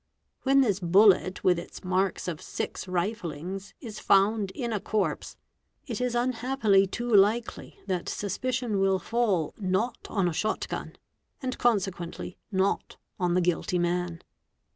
When this bullet with its marks of six riflings is found in a corpse, it is unhappily too likely that suspicion will fall not on a shot gun and consequently not on the guilty man.